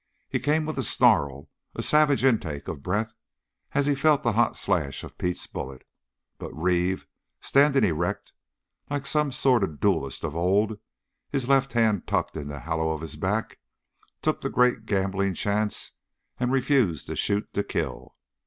He came with a snarl, a savage intake of breath, as he felt the hot slash of Pete's bullet. But Reeve, standing erect like some duelist of old, his left hand tucked into the hollow of his back, took the great gambling chance and refused to shoot to kill.